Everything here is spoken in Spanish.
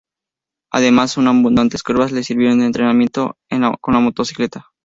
Además, sus abundantes curvas le sirvieron de entrenamiento con la motocicleta.